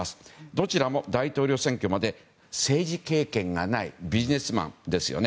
どちらも大統領選挙まで政治経験がないビジネスマンですよね。